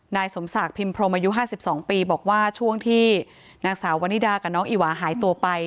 นายสมศักดิ์พิมพรมอายุ๕๒ปีบอกว่าช่วงที่นางสาววันนิดากับน้องอีหวาหายตัวไป